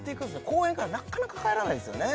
公園からなかなか帰らないですよね